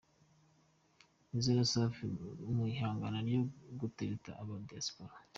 Nizzo na Safi mu ihangana ryo gutereta aba Diaspora.